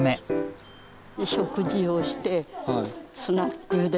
食事をしてスナックで。